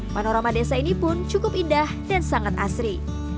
panorama desa ini pun cukup indah dan sangat asri